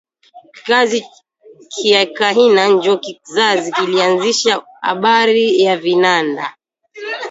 Kizazi kya kahina njo kizazi kilianzisha abari ya vinanda